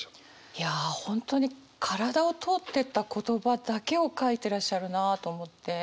いや本当に体を通っていった言葉だけを書いてらっしゃるなと思って。